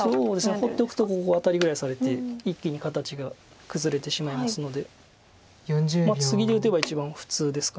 放っておくとここアタリぐらいされて一気に形が崩れてしまいますのでツギで打てば一番普通ですか。